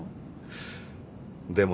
でも。